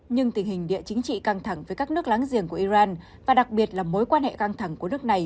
nhưng tình hình địa chính trị căng thẳng với các nước láng giềng của iran và đặc biệt là mối quan hệ căng thẳng của nước này